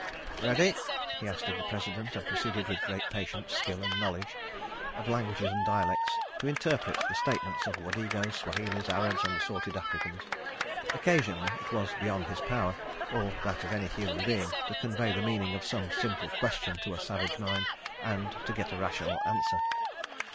... "Ready?" asked he of the President, and proceeded with great patience, skill and knowledge of languages and dialects, to interpret the statements of Wadegos, Swahilis, Arabs, and assorted Africans. Occasionally it was beyond his power, or that of any human being, to convey the meaning of some simple question to a savage mind, and to get a rational answer.